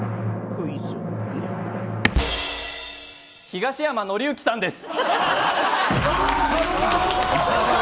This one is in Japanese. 東山紀之さんです。